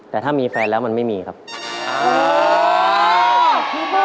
แต่ถ้ามีแฟนแล้วมันไม่มีครับ